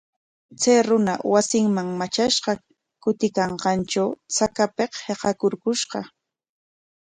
Chay runa wasinman matrashqa kutiykanqantraw chakapik hiqarpushqa.